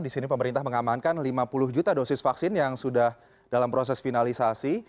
di sini pemerintah mengamankan lima puluh juta dosis vaksin yang sudah dalam proses finalisasi